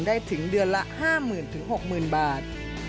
ถึงเดือนละ๕๐๐๐๖๐๐๐บาท